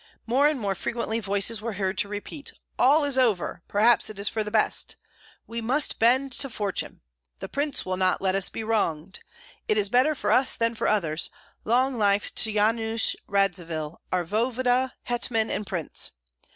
More and more frequently voices were heard to repeat: "All is over! perhaps it is for the best!" "We must bend to fortune!" "The prince will not let us be wronged." "It is better for us than for others. Long life to Yanush Radzivill, our voevoda, hetman, and prince!"